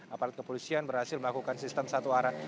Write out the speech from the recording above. aparat kepolisian berhasil melakukan sistem satu arah